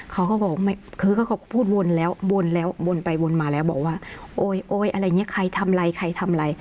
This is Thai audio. เขาก็บอกคือเขาก็พูดวนแล้ววนแล้ววนไปวนมาแล้วบอกว่าโอ๊ยโอ๊ยอะไรอย่างนี้ใครทำอะไรใครทำอะไร